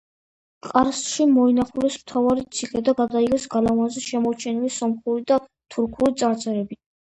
ყარსში მოინახულეს მთავარი ციხე და გადაიღეს გალავანზე შემორჩენილი სომხური და თურქული წარწერები.